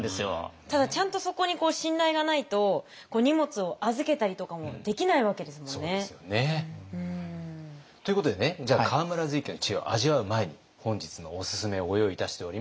ただちゃんとそこに信頼がないと荷物を預けたりとかもできないわけですもんね。ということでねじゃあ河村瑞賢の知恵を味わう前に本日のおすすめをご用意いたしております。